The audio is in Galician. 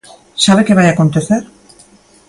¿Sabe que vai acontecer?